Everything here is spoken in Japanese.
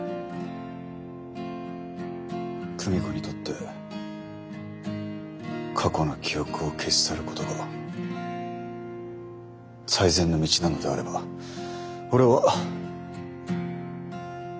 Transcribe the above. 久美子にとって過去の記憶を消し去ることが最善の道なのであれば俺は。